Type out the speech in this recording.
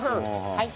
はい。